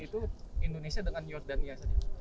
itu indonesia dengan jordania saja